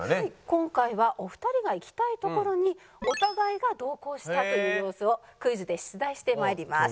今回はお二人が行きたい所にお互いが同行したという様子をクイズで出題してまいります。